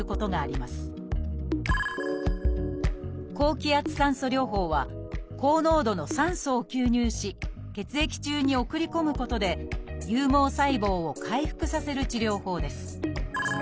高気圧酸素療法は高濃度の酸素を吸入し血液中に送り込むことで有毛細胞を回復させる治療法です。